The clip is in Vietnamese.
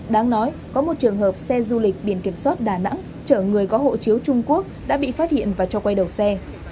đáng nói có một trường hợp xe du lịch biển kiểm soát đà nẵng chở người có hộ chiếu trung quốc đã bị phát hiện và cho quay đầu xe